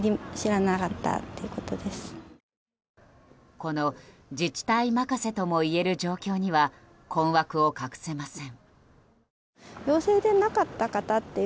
この自治体任せともいえる状況には、困惑を隠せません。